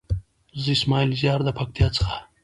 زه اسماعيل زيار د پکتيا څخه.